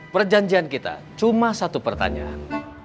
perjanjian kita cuma satu pertanyaan